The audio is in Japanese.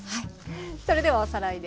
それではおさらいです。